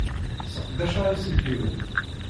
Sseqdaceɣ iselkimen.